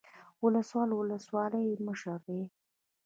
ولسوال د ولسوالۍ مشر دی